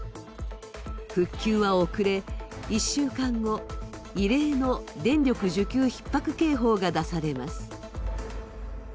復旧は遅れ、１週間後、異例の電力需給ひっ迫警報が出されます。